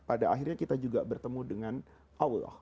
pada akhirnya kita juga bertemu dengan allah